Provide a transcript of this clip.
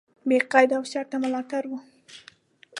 بې قید او شرطه ملاتړ و.